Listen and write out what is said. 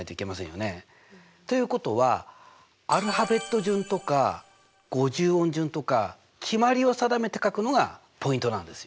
ということはアルファベット順とか五十音順とか決まりを定めて書くのがポイントなんですよ。